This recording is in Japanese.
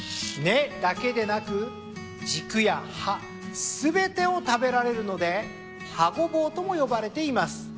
根だけでなく軸や葉全てを食べられるので葉ごぼうとも呼ばれています。